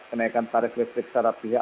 kenaikan tarif listrik secara pihak